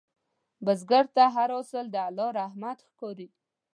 بزګر ته هر حاصل د الله رحمت ښکاري